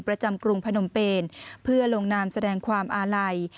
กรุงพนมเปนเพื่อลงนามแสดงความอาลัย